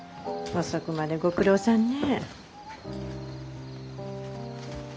遅くまでご苦労さんね。